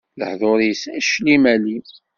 Lehdur-is, aclim alim.